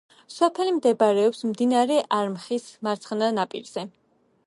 სოფელი მდებარეობს მდინარე არმხის მარცხენა ნაპირზე.